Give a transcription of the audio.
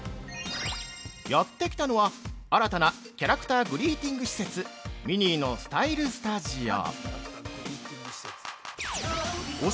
やってきたのは、新たなキャラクターグリーティング施設ミニーのスタイルスタジオ。